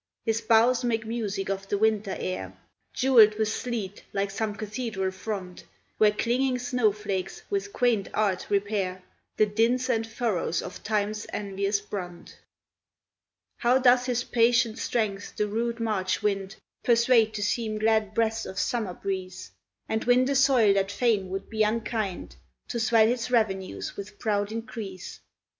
His boughs make music of the winter air, Jewelled with sleet, like some cathedral front Where clinging snow flakes with quaint art repair The dints and furrows of time's envious brunt. How doth his patient strength the rude March wind Persuade to seem glad breaths of summer breeze, And win the soil that fain would be unkind, To swell his revenues with proud increase!